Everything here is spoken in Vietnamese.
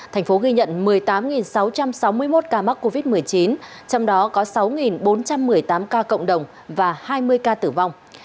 thành phố ghi nhận một mươi tám sáu trăm sáu mươi một ca mắc covid một mươi chín trong đó có sáu bốn trăm một mươi tám ca cộng đồng và hai mươi ca tử vong